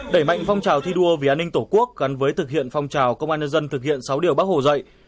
đẩy mạnh phong trào thi đua vì an ninh tổ quốc gắn với thực hiện phong trào công an nhân dân thực hiện sáu điều bác hồ dạy